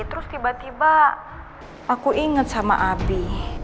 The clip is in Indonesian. terus tiba tiba aku inget sama abi